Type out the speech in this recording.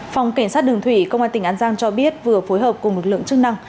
phòng cảnh sát đường thủy công an tỉnh an giang cho biết vừa phối hợp cùng lực lượng chức năng